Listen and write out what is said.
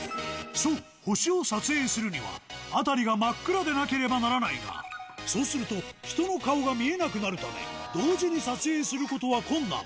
そう、星を撮影するには、辺りが真っ暗でなければならないが、そうすると、人の顔が見えなくなるため、同時に撮影することは困難。